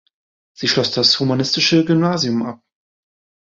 Sie schloss das humanistische Gymnasium ab.